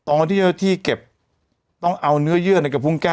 ตอนที่เจ้าที่เก็บต้องเอาเนื้อเยื่อในกระพุงแก้